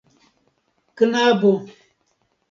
knabo